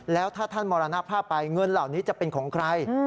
แล้วถ้าท่านมรณภาพไปเงินเหล่านี้จะเป็นของใคร